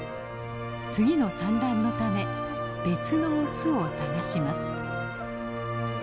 次の産卵のため別のオスを探します。